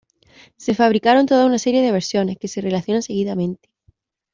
Se fabricaron toda una serie de versiones, que se relacionan seguidamente.